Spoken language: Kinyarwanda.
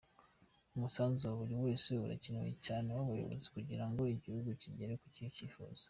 Umusanzu wa buri wese urakenewe cyane uw’abayobozi kugira ngo igihugu kigere ku cyifuzo.